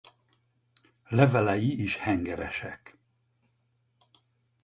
Levelei is hengeresek.